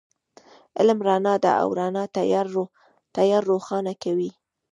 علم رڼا ده، او رڼا تیار روښانه کوي